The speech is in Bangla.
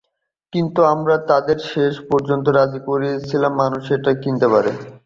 কিন্তু আমরা তাদের শেষ পর্যন্ত রাজি করিয়েছিলাম যে... মানুষ এটা কিনতে পারে।